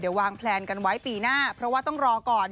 เดี๋ยววางแพลนกันไว้ปีหน้าเพราะว่าต้องรอก่อน